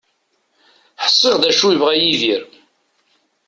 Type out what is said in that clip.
Ḥṣiɣ d acu yebɣa Yidir.